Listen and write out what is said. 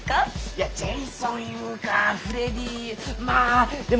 いやジェイソンいうかフレディまあでも。